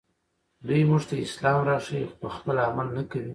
دوی موږ ته اسلام راښيي خو پخپله عمل نه کوي